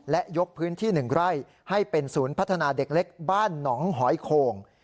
และยกพื้นที่๑ไร่ให้เป็นศูนย์พัฒนาเด็กเล็กบ้านหนองหอยโข่ง